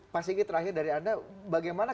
pak sigi terakhir dari anda bagaimana